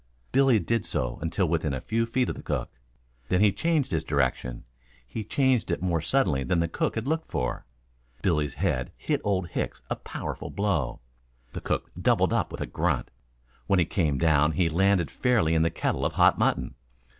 Billy did so until within a few feet of the cook. Then he changed his direction. He changed it more suddenly than the cook had looked for. Billy's head hit Old Hicks a powerful blow. The cook doubled up with a grunt. When he came down he landed fairly in the kettle of hot mutton.